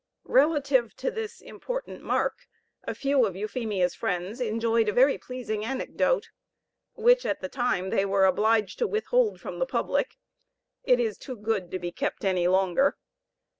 Relative to this important mark, a few of Euphemia's friends enjoyed a very pleasing anecdote, which, at the time, they were obliged to withhold from the public; it is too good to be kept any longer.